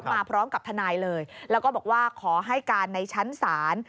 มาพร้อมกับทนายเลยแล้วก็บอกว่าขอให้การในชั้นศาล